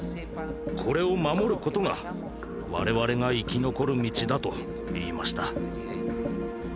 これを守ることが我々が生き残る道だ」と言いました。